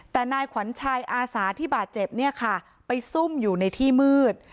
แต่นายขวัญชัยอาสาที่บาดเจ็บเนี่ยค่ะไปซุ่มอยู่ในที่มืด